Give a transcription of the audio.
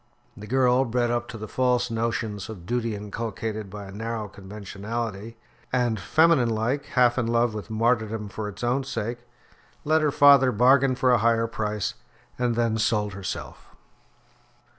The girl, bred up to the false notions of duty inculcated by a narrow conventionality, and, feminine like, half in love with martyrdom for its own sake, let her father bargain for a higher price, and then sold herself.